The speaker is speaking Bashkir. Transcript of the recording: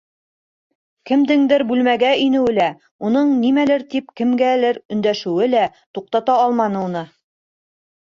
Кемдеңдер бүлмәгә инеүе лә, уның нимәлер тип, кемгәлер өндәшеүе лә туҡтата алманы уны.